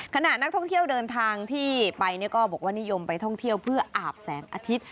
ขณะนักท่องเที่ยวเดินทางที่ไปก็บอกว่านิยมไปท่องเที่ยวเพื่ออาบแสงอาทิตย์